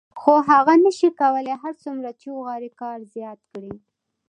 خو هغه نشي کولای هر څومره چې وغواړي کار زیات کړي